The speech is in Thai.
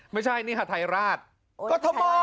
ไม่ใช่นี่หาทายราช